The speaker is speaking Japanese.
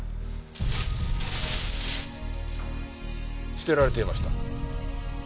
捨てられていました。